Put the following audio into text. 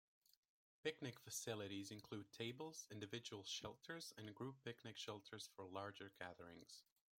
Picnic facilities include tables, individual shelters, and group picnic shelters for larger gatherings.